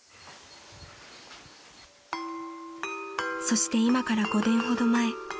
［そして今から５年ほど前］